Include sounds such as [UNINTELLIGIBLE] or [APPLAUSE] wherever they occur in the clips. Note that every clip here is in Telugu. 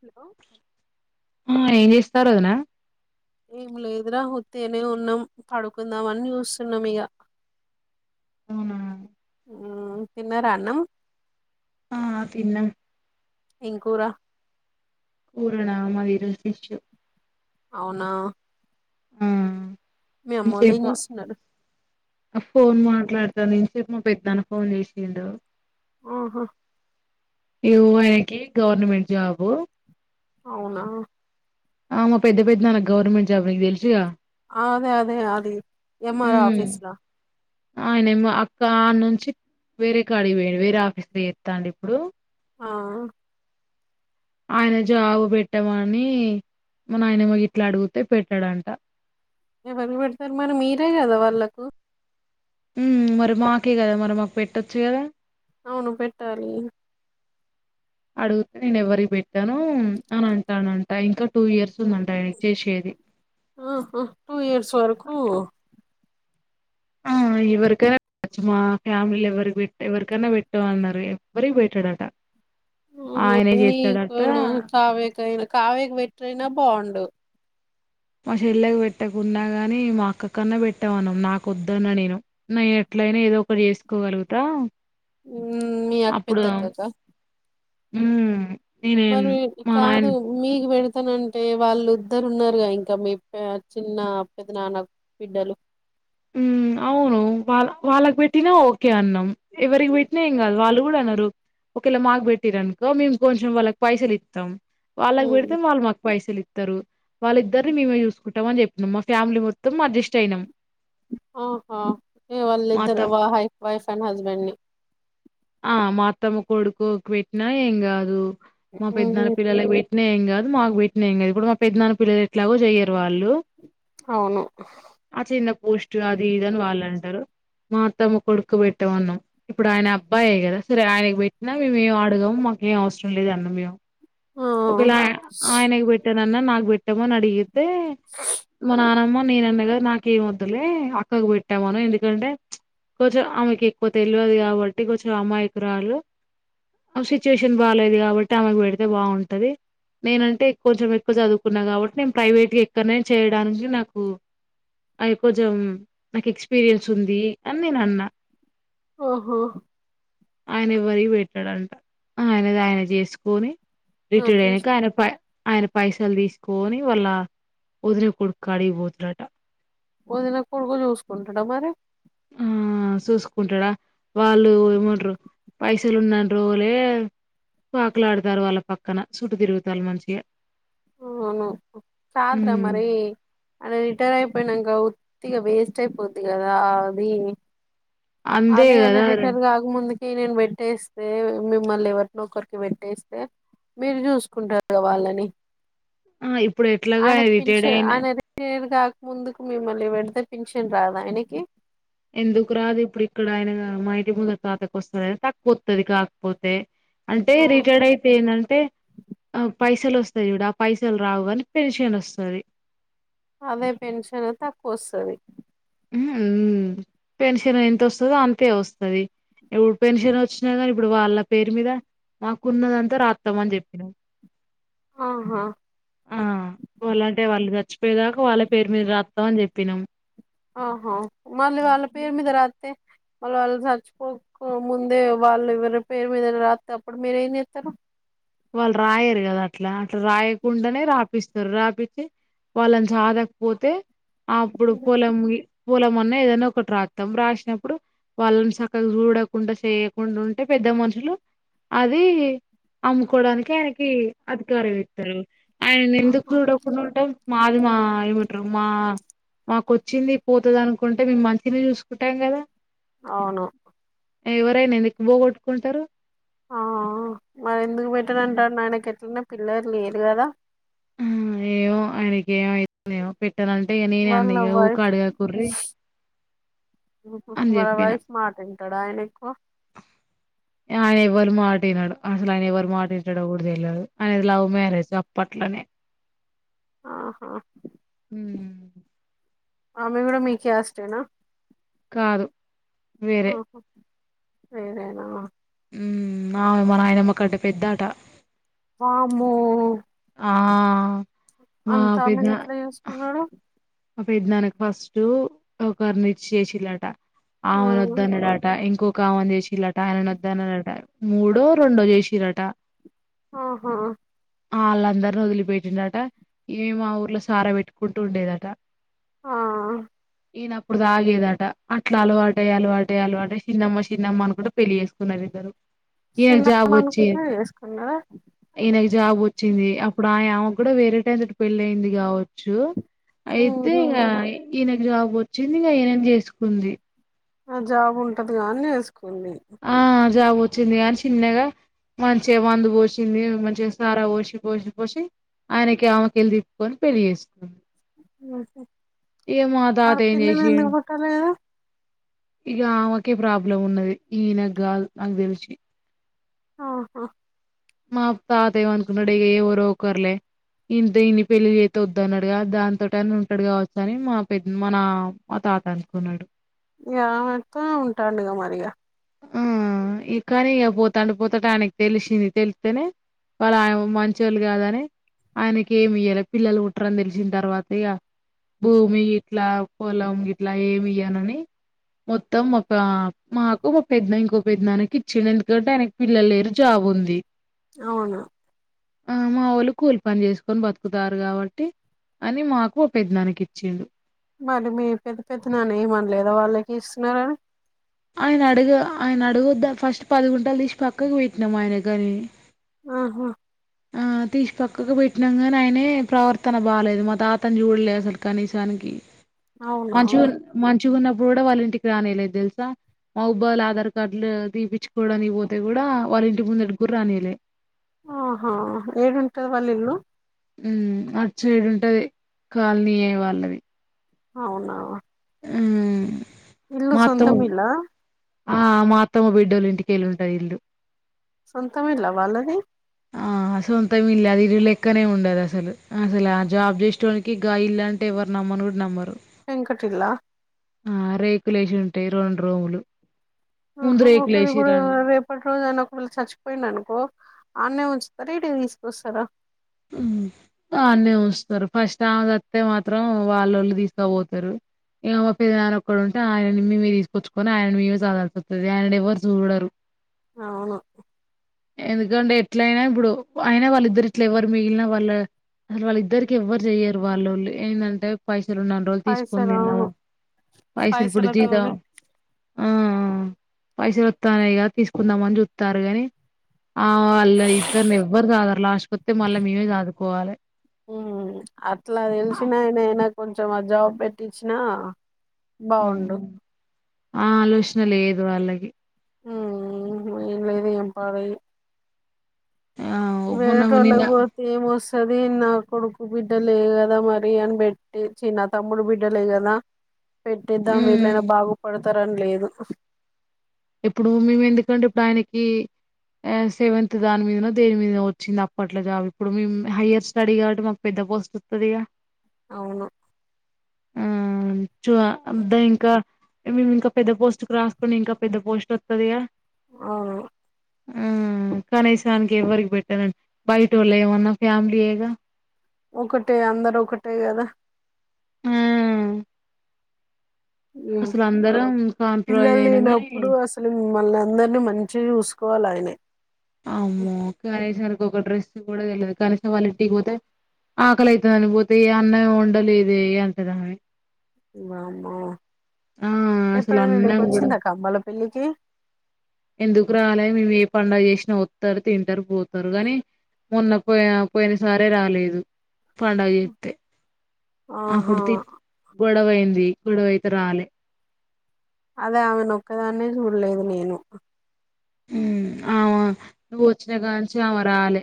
హలో సరోద్న ఏం లేదురా ఉట్టిగానే ఉన్నాం పడుకుందాంమని చూస్తున్నాం ఇక అవునా ఉమ్ తిన్నారా అన్నం ఆ తిన్నం ఇంకూరా కూర నా మాది ఈ రోజు ఫిష్ అవునా ఉమ్ మీ అమ్మోళ్ళు ఏం చేస్తున్నారు ఫోన్ మాట్లాడతాను నేను ఇంతసేపు మా పెదనాన్న ఫోన్ చేసిండు ఓహో ఏఓ ఆయనకి గవర్నమెంట్ జాబు అవునా ఆ మా పెద్ద పెద్ద నాన్న గవర్నమెంట్ జాబ్ నిక్ తెలుసుగా హా అదే అదే అది ఎంఆర్ ఆఫీస్లా ఆయన ఏమో అక్క ఆ నుంచి వేరే కడ్కిపోయి వేరే ఆఫీస్ ఎస్తాండి ఇప్పుడు ఆ ఆయన జాబు పెట్టామని మనయన ఏమో గిట్లా అడు గుతే పెట్టాడంట ఎవల్ పెడతర్ మరి మీరే కదా వాళ్ళకు మరి మాకే గదా మరి మాకు పెట్టొచ్చు కదా అవును పెట్టాలి అడుగితే నేను ఎవరికి పెట్టను అని అంటానంట ఇంకా టూ ఇయర్స్ ఉందంట ఆయన చేసేది ఆ టూ ఇయర్స్ వరకు ఆ ఎవరికైనాచ్చమా ఫ్యామిలీ ఎవరికి ఎవరికైనా పెట్టు అన్నారు ఎవరికి పెట్టాడట హ ఆయనే చేస్తాడట నీనా కావేకైనా కవ్యకి పెట్రనా బాగుండు మా చెల్లకి పెట్టకున్నా గాని మా అక్క కన్నా పెట్టామన్నాం నాకు వదున్న నేను నేను ఎట్లయినా ఏదో ఒకటి చేసుకోగలుగుతా మీ అక్క పెద్దక్కక ఉ మరి కాదు మీగి బడ అతనంటే వాళ్ళు ఇద్దరు ఉన్నారుగా ఇంకా మీ చిన్న పెద్ద నాన్న బిడ్డలు అవును వాళ్ళ వాళ్ళకు పెట్టినా ఓకే అన్నాం ఎవరికి పెట్టినా ఏం కాదు వాళ్ళు కూడా అన్నారు ఒకేళ మాకు పెట్టిరునుక మేము కొంచెం వాళ్ళకి పైసలు ఇస్తాం వాళ్ళగ ఉమ్, బెడితే మ వాళ్ళ మకు పైసలి ప్తారు వాళ్ళిద్దరిని మేమే చూసుకుంటాం అని చెప్పినన్నాం మా ఫ్యామిలీ మొత్తం అడ్జస్ట్ అయినాం ఆహా మా అత్త వాళ్ళిద్దరు వైఫ్ అండ్ హస్బెండ్ ని ఆ మాత్తమ్మ కొడుకోకి పెట్టినా ఏం కాదు మా పెద్నా ఉమ్, పిల్లల పెట్నా ఏం గాదు మాకు పెట్టిన ఏం గాదు ఇప్పుడు మా పెద్దన్న పిల్లలు ఎట్లాగో చెయరు వాళ్ళు అవును ఆ చిన్న పోస్ట్ అది ఇదని వాళ్ళు అంటారు మాత్తము కొడుక్కు పెట్టమన్నం ఇప్పుడు ఆయనబ అబ్బాయే గదా సరే ఆయనకు పెట్టినా మేముేం అడగాము మాకేం అవసరం లేద అన్న మేము ఆ ఒకలా ఆయనకి పెట్టారు న్న నాగు పెట్టమో అడిగి మననమా నేనన్నగారు నాకు ఏమొద్దులే అక్కకు పెట్టామను ఎందుకంటే కొంచం ఆమెకి ఎక్కువ తెలవదు కాబట్టి కొంచెం అమాయకురాళ్ళు సిచ్యువేషన్ బాగాలేదు కాబట్టి ఆమెకు పెడితే బాగుంటు ఉంటది నేనంటే కొంచెం ఎక్కువ చదువుకున్నా కాబట్టి నేను ప్రైవేట్గా ఎక్కడనే చేయడానికి నాకు అ కొంచెం నాకు ఎక్స్పీరియన్స్ ఉంది అని నేను అన్నా ఓహో ఆయన ఎవరి పెట్టాడంట ఆయనది ఆయన చేసుకొని ఆ, రిటైర్డ్ చూస్- అయినంక అయన ఆయన పైసలు దీసుకొని వాళ్ళ వొదిన కొడుకు కాడికి పోతుడట వదిన కొడుకు జూసుకుంటాడా మరి ఆ జూసుకుంటాడా వాళ్ళు ఏమండారు పైసలు ఉన్నా్రోలే పాకులు ఆడుతారు వాళ్ళ పక్కన చుట్ తిరుగుతారు మంచిగా అవును కాదరా హ్మ్. మరి అంటే రిటైర్ ఆయిపోయినాంగా ఇక వేస్ట్ అయిపోద్ది కదా అది అంతే అదే అన కదా రిటైర్ గాక ముందు నేను పెట్టేస్తే మిమ్మల్ని ఎవరిన ఒకరికి పెట్టేస్తే మీరు చూసుకుంటారుగా వాళ్ళని ఆ ఇప్పుడు ఎట్లాగూ ఆయనకు రిటైర్డ్ పింఛన్ అయిన ఆయన రిటైర్ కాక ముందుకు మిమ్మల్ని పెడితే పింఛన్ రాదా ఆయనకి ఎందుకు రాదు ఇప్పుడు ఇక్కడ ఆయన మా ఇంటి ముందు తాతకు వస్తుందిని తక్కువ వతుది కాకపోతే అంటే ఆహా, రిటైర్డ్ అయితే ఏందంటే ఆ పైసలు వస్తా వ ఆ పైసలు రావు అని పెన్షన్ వస్తుంది అదే పెన్షన్ తక్కువ వస్తది పెన్షన్ ఎంత వస్తదో అంతే వస్తది ఇప్పుడు పెన్షన్ వచ్చినా కాని ఇప్పుడు వాళ్ళ పేరు మీద మాకున్నదంతా రాద్దాం అని చెప్పినా ఆహా ఆ వాళ్ళ అంటే వాళ్ళుద మర్చిపోదాక వాళ్ళ పేరు మీద రాద్దాం అని చెప్పినాం ఆఓహ మళ్లీ వాళ్ల పేరు మీద రాతే వాళ్ళ వాళ్ళు చచ్చుకోక ముందే వాళ్ళు ఎవరి పేరు మీద రాతే అప్పుడు మీరేం చేత్తారు వాళ్ళు రాయరు కదా అట్లా అట్లా రాయకుండానే రాపిస్తారు రాపితే వాళ్ళని చదకపోతే అప్పుడు పొలము పూలమన్న ఏదైనా ఒకటి రాతాం రాసినప్పుడు వాళ్ళని చక్కగా చూడకుండా చేయకుండా ఉంటే పెద్ద మనుషులు అది అమ్ముకోవడానికి ఆయనకి అధికారం ఇస్తారు ఆయనను ఎందుకు చూడకుండా ఉంటాం మాది మా ఏమంటారు మా మాకుచ్చింది పోతుంది అనుకుంటే మేము మంచిని చూసుకుంటాం కదా అవును ఎవరైనా ఎందుక్ పోగొట్టుకుంటారు ఆ మరి ఎందుకు ఉమ్ పెట్టారంట అయన ఎట్లనే పిల్లలు లేరు కదా ఏయో ఆయనకే ఏమైందో ఏమో పెట్ పెట్టనంటే ఇక నేనే అంది వాళ్ళ ఇక ఊక వైఫ్ అడగకుర్రి అని వాళ్ల చెప్పిన వైస్ మాట వింట తడ ఆయనకు ఆయన ఎవ్వరు మాట వినడు అసలు ఆయన ఎవ్వరు మాట వింటాడో కూడా తెలియదు ఆయనది లవ్ మ్యారేజ్ గప్పట్లనే ఆహా హమ్ అమె కూడా మీ క్యాస్ట్ ఏనా కాదు వేరే వేరేనా ఆమె మా నాయనమ్మ కంటే పెద్దాట మామో ఆ మా అంతా పెద్ద ఆమెను ఎట్లా చేసుకున్నారు మా పెదనాన్ కు ఫస్ట్ ఒకర్ని ఇచ్చి చేసిలట ఆమెను వద్దన్నాడట ఇంకొక ఒకమని చేసిల్లట్ అయనన్ వద్ అన్నారట మూడో రెండో చేసిరటా ఆహ అళ్ళందరిని వదిలిపెట్టిండట. ఇమే ఆ ఊర్లో సారా పెట్టుకుంటూ ఉండేదట. అహ్ ఈనప్పుడు తాగేదట. అట్లా అలవాట అయ్యి అలవాట అయ్యి అలవాట అయ్యి చిన్నమ్మ చిన్నమ్మ అనుకుంటు. పెళ్లి చేేసుకున్నారు ఇద్దరు ఈయనకు జాబ్ సిన్నమ్మ వచ్చి అనుకుంటనే చేసుకున్నారా. ఈయనకు జాబ్ వచ్చింది. అప్పుడు ఆయ్ ఆమె కూడా వేరే టాయనతో పెళ్లి అయింది కావచ్చు. అయితే ఉహు ఇగ ఈనకి జాబ్ వచ్చింది. ఇగ ఈనని చేసుకుంది. ఆ జాబ్ ఉంటదిగా అని చేసుక్ కొన్ని ఆ జాబ్ వచ్చింది గా అని చిన్నగా మంచిగా. మందు పోసింది మంచిగా సారా పోసి పోసి పోసి ఆయనకి ఆమెకేళ్ళి తిప్పుకొని పెళ్లి చేసుకుంది. ఇగ మా తాత మరి పిల్లలు ఎందుకు పుట్టలేదు. ఇగ ఆమెకే ప్రాబ్లం ఉన్నది. ఈనక్ గాద్ అని తెలిసీ ఆహ మా తాత ఏమనుకున్నాడు ఇగ ఎవరో ఒకర్లే ఇంత ఇన్ని పెళ్లిలు చేతా వద్దున్నాడుగా. దాన్ తోటి అన్న ఉంటాడు కావచ్చ అని మా పెద్ద మన మా తాత అనుకున్నాడు. ఇగ అమతోగా ఉంటాండుగా మరిగా ఆహ్ ఇగ్ కానీ ఇగా పోతాండు పోతంటే ఆయనకి తెలిసింది. తెలితేనే వాళ్ళ ఆయన మంచి వాళ్ళు కాదని. ఆయనకి ఏమి ఇయ్యాలే పిల్లలు పుట్టారని తెలిసిన తర్వాత ఇగ భూమి ఇట్లా, పొలం గిట్లా ఏమి ఇయ్యానని మొత్తం ఒక మాకు పెద్నయన ఇంకో పెద్నానికి ఇచిండు ఎందుకంటే ఆయనకి పిల్లలు లేరు జాబ్ ఉంది. అవునా ఆ మా వొళ్ళు కూలి పని చేసుకొని బతుకుతారు కాబట్టి. అని మాకు ఒక పెద్నానక్ ఇచ్చిండు. మరి మీ పెద్ద పెద్దనాన్న ఏం ఆన్ లేదా వాళ్ళకి ఇస్తున్నారని. ఆయన అడుగ ఆయన అడగొద్దా. ఫస్ట్ పదిగుంటలు తీసి పక్కకు పెట్టినాము ఆయన కనీ ఆహా ఆ తీసి పక్కకు పెట్నాం గాని ఆయనే ప్రవర్తన బాలేదు. మా తాతను చూడలే అసలు కనీసానికి అవునా మంచుగున్ మంచ్ మంచిగా ఉన్నపుడు కూడా వాళ్ళ ఇంటికి రానియలేదు తెలుసా. మాబాదుల ఆధార్ కార్డులు తీయిచుకోవడానికి పోతే కూడా వాళ్ళ ఇంటి ముందడిగుర రానియలే. ఆహ్ హా ఏడుంటది వాల్ ఇల్లు ఉహ్మ్ అటు సైడ్ ఉంటది. కాలనీయ్యే వాళ్ళది. అవున ఉహ్మ్ ఇల్లు సొంతం ఇల్లా ఆహ్ మా అత్తమ్మ బిడ్డోలు ఇంటికెల్లి ఉంటది. ఇల్లు సొంతం ఇల్లా వాళ్ళది. ఆ సొంతం ఇల్లె అది ఇల్లు లెక్కనే ఉండదు అసలు. అసల ఆ జాబ్ చేసేటోనికి గా ఇల్లు అంటే ఎవరు నమ్మని గూడా నమ్మరు. యేనకటిల్ల ఆహ్ రేకులేసి ఉంటాయి. రెండు రూములు ఆహ ముందు ఒకటి ఇప్పుడు రేకులేసిరన్ రేపటి రోజు ఆయన ఒకవేళ చచ్చిపోయిండనుకో అన్నే ఉంచుతార. ఇడికి తీసుకొస్తారా. అన్నే ఉంచుతారు. ఫస్ట్ ఆమెసతే మాత్రం వాల్లో ళ్ళు తీసుకపోతారు. ఇగా మా పెద్ద నాన ఒక్కడు ఉంటే ఆయన్నీ మేమ తీసుకొచ్చుకొని. ఆయన్నీ మేమే చదాల్సివతది ఆయననీ ఎవ్వరు చూడరు. అవును ఎందుకండి ఎట్లాయినా ఇప్పుడు అయిన వలిద్దరి ఇట్ల ఎవరు మిగిలిన వాళ్ళ అసలు వాళ్ళ ఇద్దరికి ఎవరు చెయ్యరు వాళ్లోళ్ళే ఏంటంటే పై ఉన్నన్న రోజులు తీసుకుని పైసలు అవును తిందాము పైసలు ఇప్పుడు జీతం పైసలతోని ఆ పైసలు వస్తానేయి కదా తీసుకుందామని చూస్తారు కాని ఆ వల్ల ఇద్దరినీ నెవ్వరు సాగారు కలాష్ హ అట్లా తెలిసినాయనన కొంచెం ఆ జాబ్ పెట్టించిన ఆహ్ ఆ ఆలోచన లేదు వల్లాకి ఆహ్ ఏం లేదో ఏం పాడో ఇది ఆ మొన్న నిన్న వేరేటలోకి పోతే ఏ మోస్త త్తాది నా కొడుకు బిడ్డలే కదా మరి అని బెట్టి చిన్నా తమ్ముడు బిడ్డలే కదా పెట్టేద్దాం హ్మ్. వీలైనా బాగుపడ ఉతరం లేదు ఇప్పుడు మేము ఎందుకంటే ఇప్పుడు ఆయనకి సెవెంత్ దాని మీదనో దేని మీదనో వచ్చింది అప్పట్లో జాబ్ ఇప్పుడు మేము హయర్ స్టడీ కాబట్టి మాకు పెద్ద పోస్ట్ వత్తాది గా అవును చు అద్దా ఇంకా మేము ఇంకా పెద్ద పోస్ట్ కు రాసుకుని ఇంకా పెద్ద పోస్ట్ వత్తది గా ఆ ఆ కనీసానికి ఎవ్వరికి పెట్టానండి బయట వాళ్ళు ఏమన్నా ఫ్యామిలీ ఏగా ఒకటే అందరు ఒకటే కదా ఆ ఆ అసలు అందరం కాంప్రమైజ్ పిల్లలు అయినాం గాని లేనప్పుడు అసలు మిమ్మల్ని అందరినీ మంచిగా చూసుకో కూలా అయినే అమ్మో, కనీసానికి ఒక డ్రెస్ కూడా వెలేదు కనీసం వాళ్ళు ఇంటికి పోతే ఆకలి అయితుందని పోతే అన్నయం వండలేదే అంటది ఆమె అసలు ఎప్పుడైనా నీకు అన్నం కూడా వచ్చిందా కమల పెళ్లికి కె ఎందుకు రాలేదు మేము ఏ పండుగ చేసినా వస్తారు తింటారు పోతారు కానీ మొన్న పోయి పోయిన సరే రాలేదు పండుగ చేతే ఆహా అప్పుడు తి గొడవైంది ఉంది గొడవయితే రాలే అదే ఆమెన ఒక్కదాన్న చూడలేదు నేను ఆమె నువ్వు వచ్చినా కా నుంచి ఆమె రాలే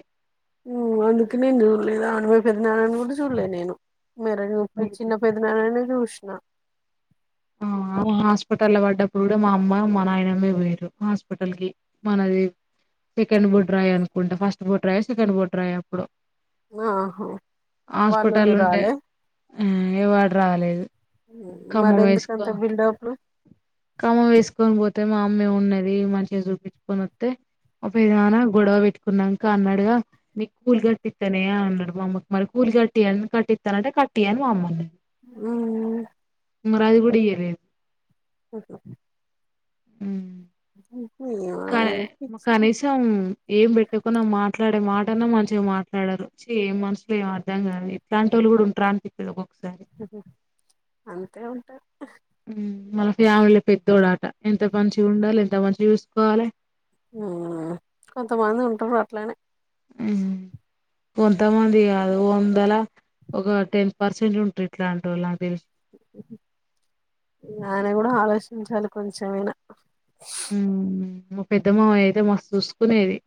అందుకే నేను చూడలేదు అప్పుడ మీ పెద్దనాన్న కూడా చూడలేదు నేను మరి ఓ చిన్న పెద్దనా ష్ణ ఆ హాస్పిటల్ లో పడ్డప్పుడు కూడా మా అమ్మ మా నాయనమ్మే పోయిర్రు హాస్పిటల్ కి మనది సెకండ్ బొడ్రాయి అనుకుంటా ఫస్ట్ బొడ్రాయి సెకండ్ బొడ్రాయప్పుడు ఆహా హాస్పిటల్ వాళ్ళోళ్ళు లుంటే రాలే ఆ ఎవ్వాడు రాలేదు ఖమ్మం వేసుకు బిల్డోప్ లు ఖమ్మం వేసుకొని పోతే మా అమ్మ ఏమి ఉన్నది మంచిగ చూపించుకొని వత్తే ఒక ఏదనా గొడవ పెట్టుకున్నాంక అన్నాడుగా నీకు కూలి కట్టిస్తానే అన్నాడు మా అమ్మకి మరి కూలి కట్టి అని కట్టిస్తానంటే కట్టి అని మా అమ్మ అన్నది [UNINTELLIGIBLE] మరి అది కూడా ఇయ్యలేదు [UNINTELLIGIBLE] ఉమ్ [UNINTELLIGIBLE] కాని ఏమో పిచ్చి కనీసం ఏం పెట్టకున్నా మాట్లాడే మాటన్నా మంచిగా మాట్ ట్లాడరు ఛీ ఏం మనుసులు ఏం అర్థం కాదు ఇట్లాంటోళ్ళు కూడా ఉంటార అనిపిత్తది ఓక్కొక్క అంతే ఉంటా [UNINTELLIGIBLE] మ్ మళ్ళ ఫ్యామిలీ పెద్దోడు ఎంత మంచిగా ఉండాలి త మంచిగా చూసుకోవాలె ఉమ్ కొంతమంది ఉంటారు అట్లనే ఉమ్ కొంతమంది కాదు వందల ఒక టెన్ పర్సెంట్ ఉంటుర్రు ఇట్లాంటోళ్ళు నాకు తెలిసి ఆయన కూడా ఆలోచించాలి కొంచం ఐనా ఉమ్ మా పెద్ద మామయ్య అయితే మస్తు చూసుకునేది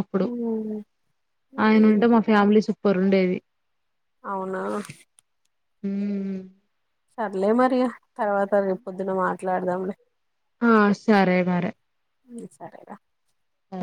అప్పుడు ఆయన ఉంటే మా ఫ్యామిలీ చు పొరుండేవి అవునా ఉమ్మ్ సర్లే మరి తర్వాత రేపు పొద్దున మాట్లాడదాంలే ఆ సరే వరే సరే రా ఆ